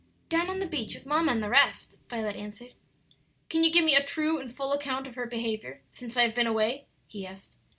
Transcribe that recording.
"Down on the beach with mamma and the rest," Violet answered. "Can you give me a true and full account of her behavior since I have been away?" he asked.